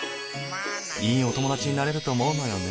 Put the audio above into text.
いいお友達になれると思うのよね。